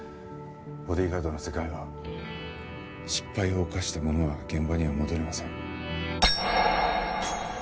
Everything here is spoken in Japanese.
ボディーガードの世界は失敗を犯した者は現場には戻れません。